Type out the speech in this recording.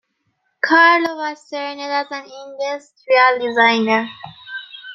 Carlo was trained as an industrial designer.